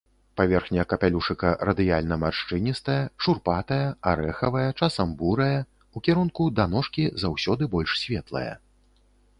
Паверхня капялюшыка радыяльна-маршчыністая, шурпатая, арэхавая, часам бурая, у кірунку да ножкі заўсёды больш светлая.